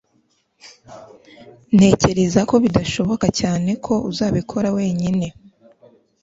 ntekereza ko bidashoboka cyane ko uzabikora wenyine